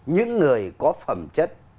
những người có phẩm chất